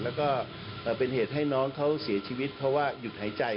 แล้วก็เป็นเหตุให้น้องเขาเสียชีวิตเพราะว่าหยุดหายใจ